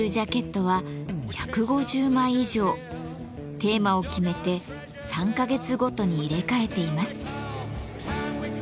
テーマを決めて３か月ごとに入れ替えています。